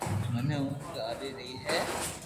منو اونگ آوي رھئي ھي